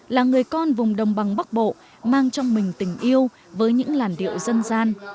là người con vùng đồng bằng bắc bộ mang trong mình tình yêu với những làn điệu dân gian